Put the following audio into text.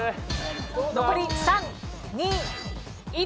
残り３２１。